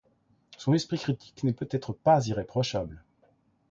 Son esprit critique n’est peut-être pas irréprochable.